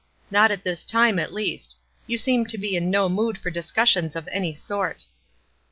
" Not at this time, at least. You seem to be in no mood for discussions of any sort."